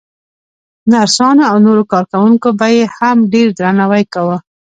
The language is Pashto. نرسانو او نورو کارکوونکو به يې هم ډېر درناوی کاوه.